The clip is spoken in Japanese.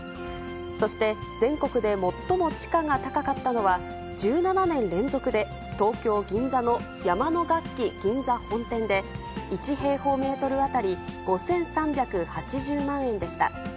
そして、全国で最も地価が高かったのは、１７年連続で東京・銀座の山野楽器銀座本店で、１平方メートル当たり５３８０万円でした。